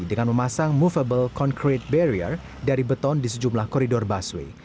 dengan memasang movable concrete barrier dari beton di sejumlah koridor busway